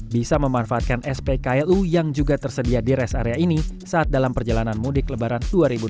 bisa memanfaatkan spklu yang juga tersedia di rest area ini saat dalam perjalanan mudik lebaran dua ribu dua puluh